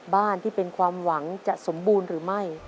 บ้านที่เป็นความหวังจะสมบูรณ์หรือไม่